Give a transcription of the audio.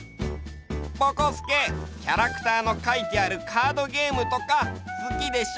ぼこすけキャラクターのかいてあるカードゲームとかすきでしょ？